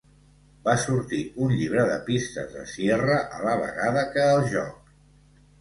Va sortir un llibre de pistes de Sierra a la vegada que el joc.